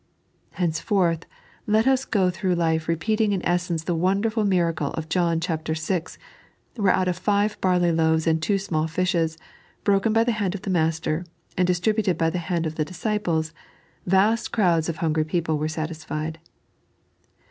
Henceforth let us go through life repeating in essence the wonderful miracle of John vi., where out of five barley loavee and two small fishes, broken by the hand of the Master, and distributed by the hand of the disciples, vast crowds of hungry people were satisfied.